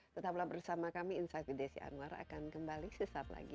tetap bersama kami insafi desi anwar akan kembali sesaat lagi